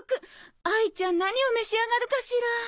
あいちゃん何を召し上がるかしら。